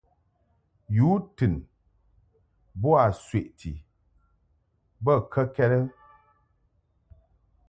Yu tɨn boa sweʼti bə kəkɛd ?